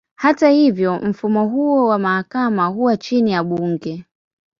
Hata hivyo, mfumo huo wa mahakama huwa chini ya bunge.